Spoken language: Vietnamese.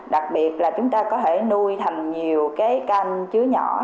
đặc biệt là chúng ta có thể nuôi thành nhiều can chứa nhỏ